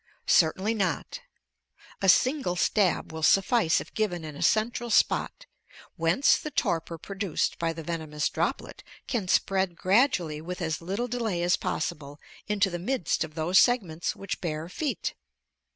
Certainly not: a single stab will suffice if given in a central spot, whence the torpor produced by the venomous droplet can spread gradually with as little delay as possible into the midst of those segments which bear feet.